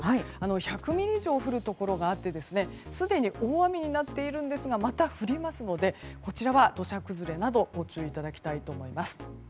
１００ミリ以上降る所があってすでに大雨になっているんですがまた降りますのでこちらは土砂崩れなどご注意いただきたいと思います。